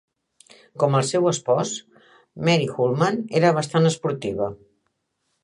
Com el seu espòs, Mary Hulman era bastant esportiva.